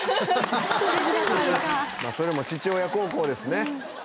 あそれも父親孝行ですね